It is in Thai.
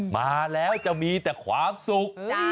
มาแล้วจะมีแต่ความสุข